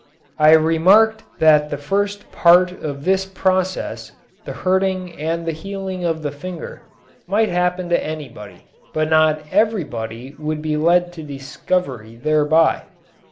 I remarked that the first part of this process the hurting and the healing of the finger might happen to anybody but not everybody would be led to discovery thereby.